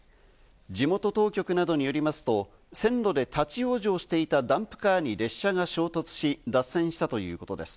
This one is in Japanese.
地元当局などによりますと、線路で立ち往生していたダンプカーに電車が衝突し、脱線したということです。